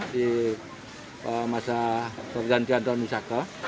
di masa pergantian tahun nisaka